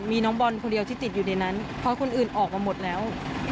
มีน้องบอลคนเดียวที่ติดอยู่ในนั้นเพราะคนอื่นออกมาหมดแล้ว